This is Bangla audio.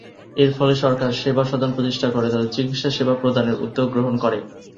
এর ফলে সরকার "সেবা সদন" প্রতিষ্ঠা করে তাদের চিকিৎসাসেবা প্রদানের উদ্যোগ গ্রহণ করে।